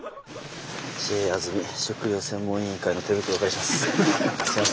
「ＪＡあづみ食糧専門委員会」の手袋をお借りします。